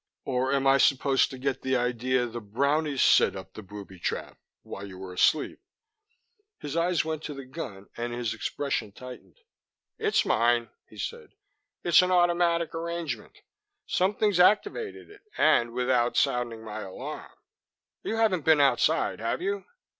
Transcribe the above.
"Or am I supposed to get the idea the brownies set up that booby trap while you were asleep?" His eyes went to the gun and his expression tightened. "It's mine," he said. "It's an automatic arrangement. Something's activated it and without sounding my alarm. You haven't been outside, have you?"